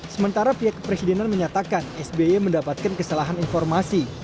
sementara pihak kepresidenan menyatakan sby mendapatkan kesalahan informasi